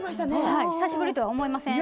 久しぶりとは思えません。